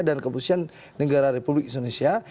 dan keputusan negara republik indonesia